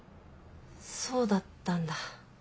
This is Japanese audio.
そうだったんだ。